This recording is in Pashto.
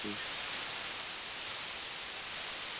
انجنیري سروې په څلورو پړاوونو کې ترسره کیږي